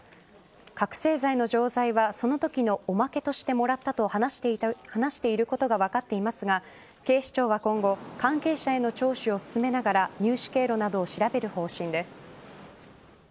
覚醒剤の錠剤はそのときのおまけとしてもらったと話していることが分かっていますが警視庁は今後関係者への聴取を進めながら入手経路などを調べる方針です。